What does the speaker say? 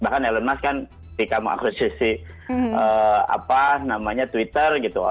bahkan elon musk kan ketika mengakses twitter